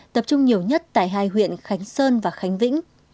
tập trung nhiều nhất tại hai huyện khánh sơn và khánh vĩnh